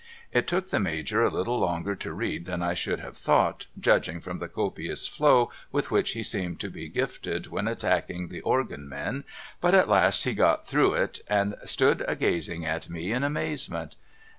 It took the Major a little longer to read than I should have thought, judging from the copious flow with which he seemed to be gifted when attacking the organ men, but at last he got through it, and stood a gazing at me in amazement.